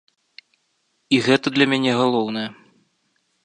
І гэта для мяне галоўнае.